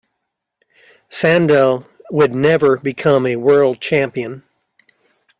Sandel would never become a world champion.